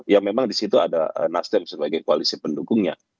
ya memang di situ ada nasdem sebagai koalisi pendukungnya